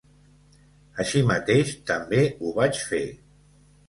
Així mateix, també ho vaig fer.